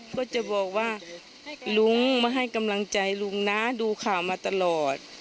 ก็จะบอกว่าลุงมาให้กำลังใจลุงนะดูข่าวมาตลอด